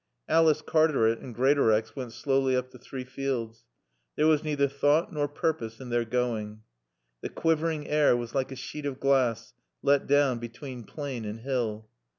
Alice Cartaret and Greatorex went slowly up the Three Fields. There was neither thought nor purpose in their going. The quivering air was like a sheet of glass let down between plain and hill.